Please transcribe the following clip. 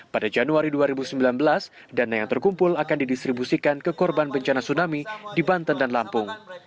pada januari dua ribu sembilan belas dana yang terkumpul akan didistribusikan ke korban bencana tsunami di banten dan lampung